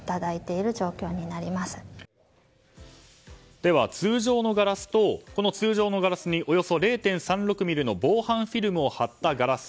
では、通常のガラスと通常のガラスにおよそ０．３６ｍｍの防犯フィルムを貼ったガラス。